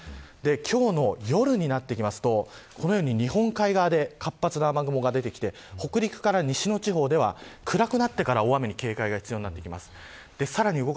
今日の夜になってきますとこのように西日本海側で活発な雨雲が出てきて北陸から西の地方では暗くなってから大雨に警戒が必要です。